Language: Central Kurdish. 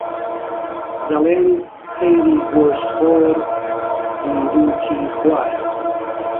دەڵێن تەیری گۆشتخۆر دندووکی خوارە